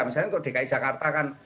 misalnya untuk dki jakarta kan